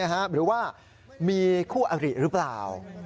หรือว่ามีคู่อริหรือเปล่า